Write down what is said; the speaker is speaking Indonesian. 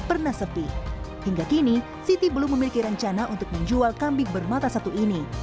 pernah sepi hingga kini siti belum memiliki rencana untuk menjual kambing bermata satu ini